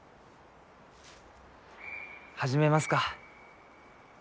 始めますか。